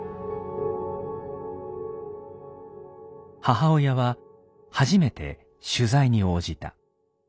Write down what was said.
母親は初めて取材に応じた。